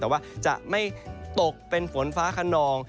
แต่ว่าจะไม่ตกเป็นฝนฟ้าขนอง